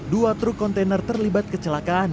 dua truk kontainer terlibat kecelakaan